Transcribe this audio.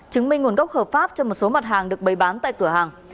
chứng minh nguồn gốc hợp pháp cho một số mặt hàng được bày bán tại cửa hàng